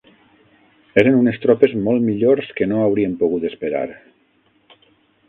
Eren unes tropes molt millors que no hauríem pogut esperar.